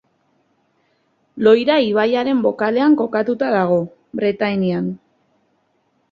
Loira ibaiaren bokalean kokatuta dago, Bretainian.